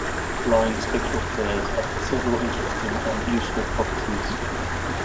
Line spectral pairs have several interesting and useful properties.